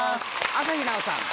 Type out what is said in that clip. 朝日奈央さん。